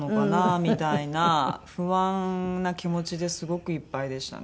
みたいな不安な気持ちですごくいっぱいでしたね。